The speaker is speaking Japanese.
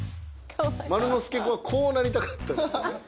丸之助くんはこうなりたかったんです。